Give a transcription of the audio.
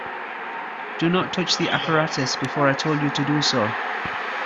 Do not touch the apparatus before I told you to do so.